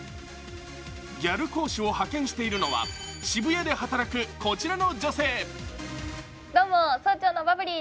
ギャル講師を派遣しているのは渋谷で働くこちらの女性。